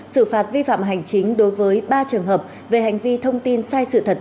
xử phạt vi phạm hành chính đối với ba trường hợp về hành vi thông tin sai sự thật